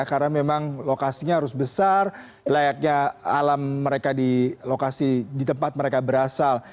karena memang lokasinya harus besar layaknya alam mereka di lokasi di tempat mereka berasal